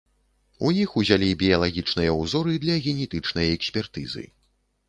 У іх узялі біялагічныя ўзоры для генетычнай экспертызы.